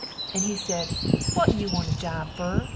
and he sed what you want a job fer?